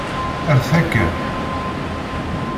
Rret akka.